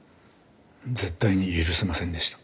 絶対に許せませんでした。